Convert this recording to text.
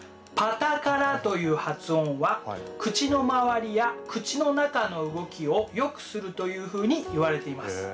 「パタカラ」という発音は口の周りや口の中の動きをよくするというふうにいわれています。